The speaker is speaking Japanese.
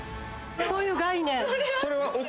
そういう概念。